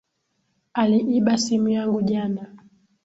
Aliiba simu yangu jana